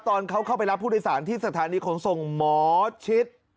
ตอนเขาเข้าไปรับผู้โดยสารที่สถานีขนส่งหมอชิด